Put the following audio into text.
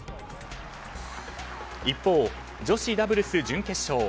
一方、女子ダブルス準決勝。